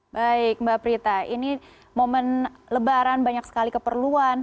baik mbak prita ini momen lebaran banyak sekali keperluan